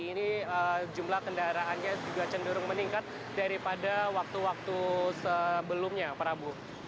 ini jumlah kendaraannya juga cenderung meningkat daripada waktu waktu sebelumnya prabu